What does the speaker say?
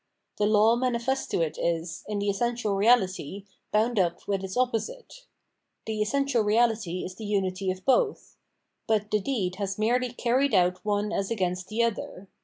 The law manifest to it is, in the essential reahty, bound up with its opposite ; the essential reahty is the unity of both ; but the deed has merely carried out one as against the other.